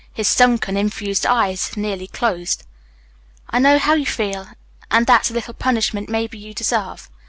His sunken, infused eyes nearly closed. "I know how you feel, and that's a little punishment maybe you deserve.